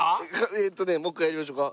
えっとねもう一回やりましょうか。